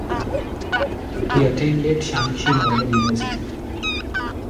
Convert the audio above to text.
He attended Shaanxi Normal University.